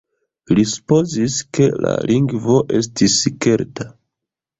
Li supozis, ke la lingvo estis kelta.